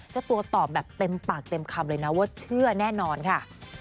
เจ้าตัวตอบแบบเต็มปากเต็มคำเลยนะว่าเชื่อแน่นอนค่ะ